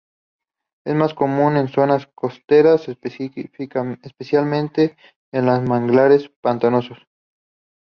Es más común en zonas costeras, especialmente en los manglares pantanosos.